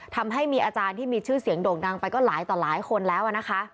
ทำให้มีอาจารย์ที่มีชื่อเสียงโด่งดังไปก็หลายต่อหลายคนแล้วนะคะ